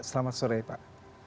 selamat sore pak